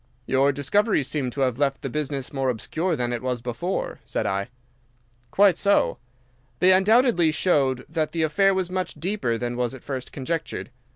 "Your discoveries seem to have left the business more obscure that it was before," said I. "Quite so. They undoubtedly showed that the affair was much deeper than was at first conjectured.